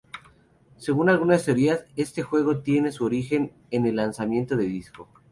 Según algunas teorías, este juego tiene su origen en el lanzamiento de disco.